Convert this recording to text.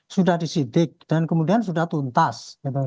sudah disidik dan kemudian sudah tuntas